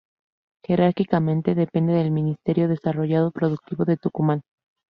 Jerárquicamente, depende del Ministerio de Desarrollo Productivo de Tucumán.